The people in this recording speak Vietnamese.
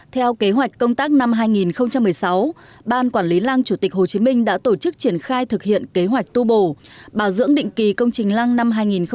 theo kế hoạch công tác năm hai nghìn một mươi sáu ban quản lý lăng chủ tịch hồ chí minh đã tổ chức triển khai thực hiện kế hoạch tu bổ bảo dưỡng định kỳ công trình lăng năm hai nghìn một mươi chín